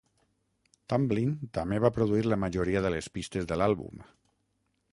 Tamblyn també va produir la majoria de les pistes de l'àlbum.